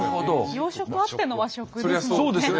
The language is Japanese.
洋食あっての和食ですもんね。